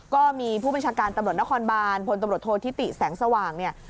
ก็มีผู้บัญชาการตำรวจนครบานพลตำรวจโทษธิติแสงสว่างเนี่ย